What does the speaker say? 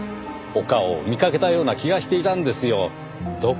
お顔を見かけたような気がしていたんですよ。